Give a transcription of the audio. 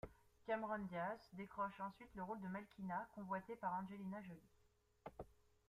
Cameron Diaz décroche ensuite le rôle de Malkina, convoité par Angelina Jolie.